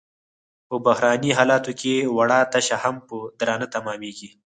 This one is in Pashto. په بحراني حالاتو کې وړه تشه هم په درانه تمامېږي.